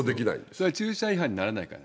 それは駐車違反にならないから。